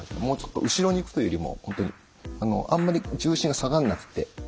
もうちょっと後ろに行くというよりも本当にあんまり重心が下がんなくって。